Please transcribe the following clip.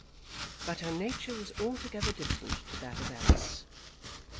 But her nature was altogether different to that of Alice.